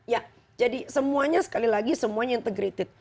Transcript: ya jadi semuanya sekali lagi semuanya integrated